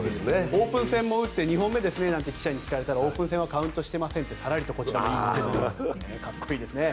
オープン戦も打って２回目ですねと記者に聞かれたらオープン戦はカウントしてませんなんてさらりと答えるとかっこいいですね。